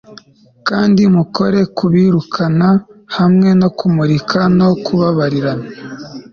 kandi mukore kubirukana hamwe no kumurika no kubabarirana